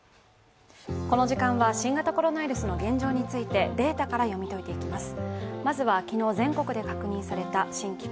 この時間は新型コロナウイルスの現状についてデータから読み解いていきます。